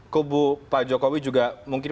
kubu pak jokowi juga mungkin